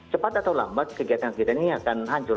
cepat atau lambat kegiatan kegiatannya akan hancur